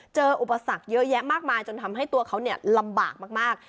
อุปสรรคเยอะแยะมากมายจนทำให้ตัวเขาลำบากมาก